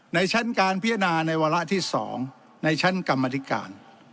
ในชั้นการพิจารณาในวาระที่๒ในชั้นกรรมธิการ